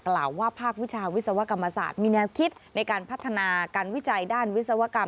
กล่าวว่าภาควิชาวิศวกรรมศาสตร์มีแนวคิดในการพัฒนาการวิจัยด้านวิศวกรรม